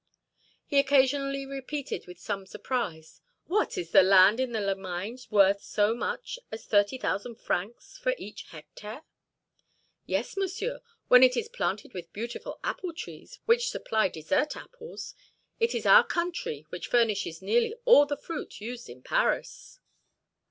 He occasionally repeated with some surprise: "What! is the land in the Limagne worth so much as thirty thousand francs for each hectare?" "Yes, Monsieur, when it is planted with beautiful apple trees, which supply dessert apples. It is our country which furnishes nearly all the fruit used in Paris."